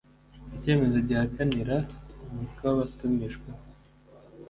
icyemezo gihakanira umutwe wabatumijweho